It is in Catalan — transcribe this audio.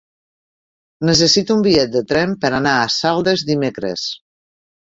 Necessito un bitllet de tren per anar a Saldes dimecres.